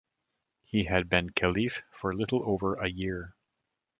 He had been Caliph for little over a year.